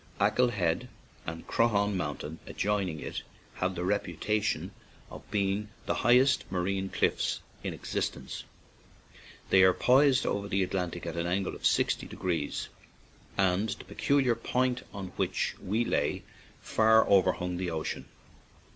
Achill Head and Croaghaun Mountain, adjoining it, have the reputation of being the highest ma rine cliffs in existence. They are poised above the Atlantic at an angle of sixty degrees, and the particular point on which we lay far overhung the ocean.